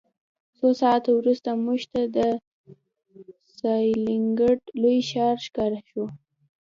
څو ساعته وروسته موږ ته د ستالینګراډ لوی ښار ښکاره شو